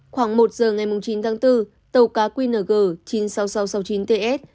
khoảng một giờ ngày chín tháng bốn tàu cá qng chín mươi sáu nghìn sáu trăm sáu mươi chín ts